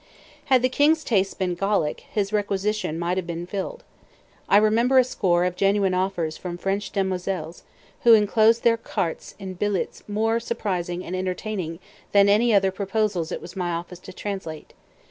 Had the king's tastes been Gallic, his requisition might have been filled. I remember a score of genuine offers from French demoiselles, who enclosed their cartes in billets more surprising and enterprising than any other "proposals" it was my office to translate.